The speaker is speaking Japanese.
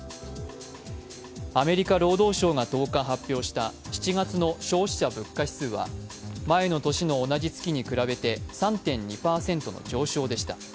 アメリカ労働省が１０日発表した、７月の消費者物価指数は、前の年の同じ月に比べて３．２％の上昇でした。